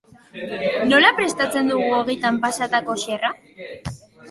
Nola prestatzen dugu ogitan pasatako xerra?